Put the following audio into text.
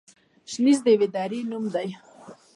شنیز د یوې درې نوم دی.